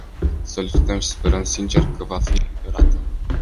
Solicităm și sperăm sincer că va fi eliberat.